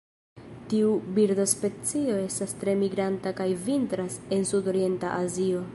Tiu birdospecio estas tre migranta kaj vintras en sudorienta Azio.